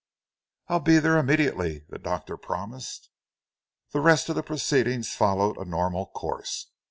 "I'll be there immediately," the doctor promised. The rest of the proceedings followed a normal course.